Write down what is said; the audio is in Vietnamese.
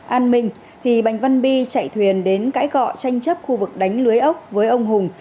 an minh thì bành văn bi chạy thuyền đến cãi gọ tranh chấp khu vực đánh lưới ốc với ông hùng